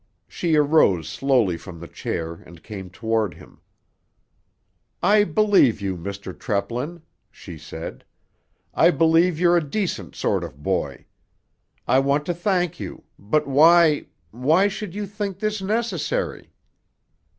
She arose slowly from the chair and came toward him. "I believe you, Mr. Treplin," she said. "I believe you're a decent sort of boy. I want to thank you; but why—why should you think this necessary?"